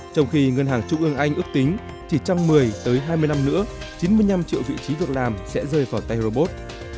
trong khi ngân hàng trung ương anh ước tính chỉ trong một mươi tới hai mươi năm nữa chín mươi năm triệu vị trí việc làm sẽ rơi vào tay robot